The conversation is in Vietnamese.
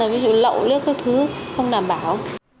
ví dụ lậu nước các thứ không đảm bảo